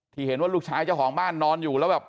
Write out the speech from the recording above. ที่เห็นว่าลูกชายเจ้าของบ้านนอนอยู่แล้วแบบ